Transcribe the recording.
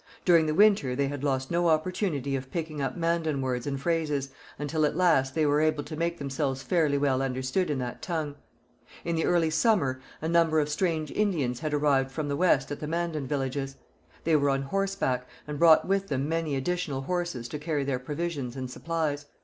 During the winter they had lost no opportunity of picking up Mandan words and phrases, until at last they were able to make themselves fairly well understood in that tongue. In the early summer a number of strange Indians had arrived from the West at the Mandan villages. They were on horseback, and brought with them many additional horses to carry their provisions and supplies.